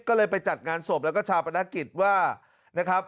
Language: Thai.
ก็เลยไปจัดงานศพแล้วก็ชาวประนักกิจว่า